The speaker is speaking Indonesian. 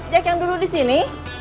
jack yang dulu disini